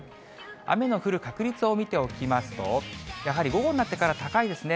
雨の降る確率を見ておきますと、やはり午後になってから高いですね。